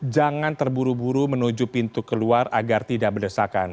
jangan terburu buru menuju pintu keluar agar tidak berdesakan